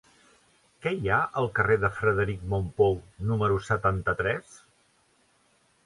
Què hi ha al carrer de Frederic Mompou número setanta-tres?